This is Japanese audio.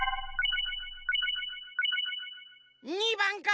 ２ばんか！